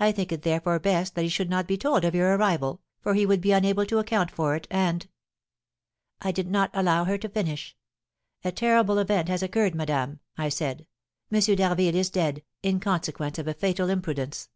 I think it, therefore, best that he should not be told of your arrival, for he would be unable to account for it, and ' "I did not allow her to finish. 'A terrible event has occurred, madame,' I said, 'M. d'Harville is dead, in consequence of a fatal imprudence.